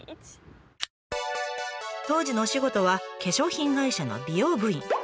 当時のお仕事は化粧品会社の美容部員。